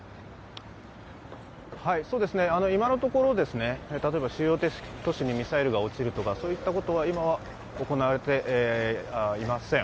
今のところ、例えば主要都市にミサイルが落ちるとかそういったことは今は行われていません。